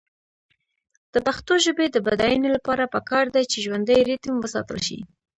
د پښتو ژبې د بډاینې لپاره پکار ده چې ژوندی ریتم وساتل شي.